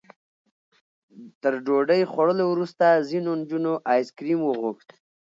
تر ډوډۍ خوړلو وروسته ځینو نجونو ایس کریم وغوښت.